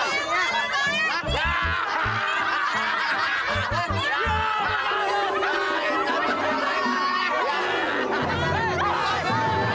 sabar itu lagi dibenerin